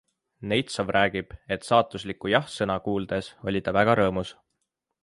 Neitsov räägib, et saatuslikku jah-sõna kuuldes oli ta väga rõõmus.